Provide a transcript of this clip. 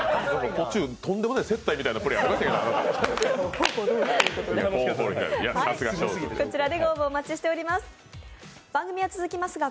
途中、とんでもない接待みたいなことありましたけど。